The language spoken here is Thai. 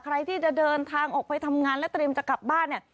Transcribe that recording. ใครที่จะเดินทางออกไปทำงานและเตรียมจะกลับบ้านเนี่ย